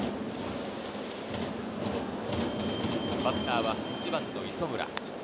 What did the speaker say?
バッターは８番・磯村。